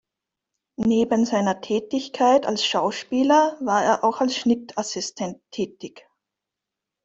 Neben seiner Tätigkeit als Schauspieler war er auch als Schnittassistent tätig.